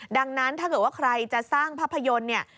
ดังนั้นถ้าเกิดว่าใครจะสร้างภาพยนตร์เนี่ย